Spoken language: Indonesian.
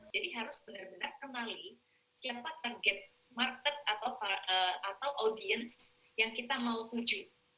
jadi harus benar benar kenali siapa target market atau audience yang kita mau tuju